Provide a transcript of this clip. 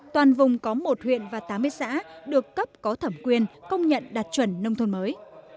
toàn vùng có một huyện và tám mươi xã được cấp có thẩm quyền công nhận đạt chuẩn nông thôn mới